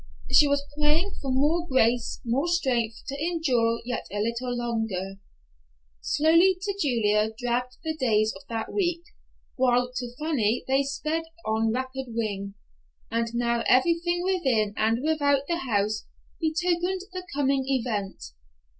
She was praying for more grace, more strength to endure yet a little longer. Slowly to Julia dragged the days of that week, while to Fanny they sped on rapid wing. And now everything within and without the house betokened the coming event.